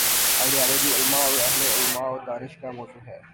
Ideology, علما اور اہل علم و دانش کا موضوع ہے۔